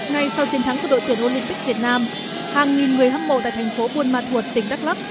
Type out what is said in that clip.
ngay sau chiến thắng của đội tuyển olympic việt nam hàng nghìn người hâm mộ tại thành phố buôn ma thuột tỉnh đắk lắc